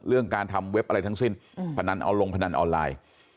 การทำเว็บอะไรทั้งสิ้นพนันเอาลงพนันออนไลน์